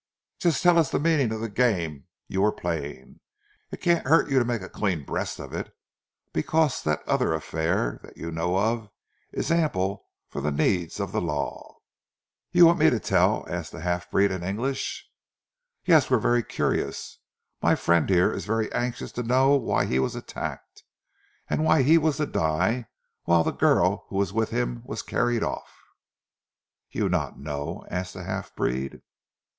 Just tell us the meaning of the game you were playing. It can't hurt you to make a clean breast of it; because that other affair that you know of is ample for the needs of the Law." "You want me to tell?" asked the half breed in English. "Yes, we're very curious. My friend here is very anxious to know why he was attacked, and why he was to die whilst the girl who was with him was carried off." "You not know?" asked the half breed.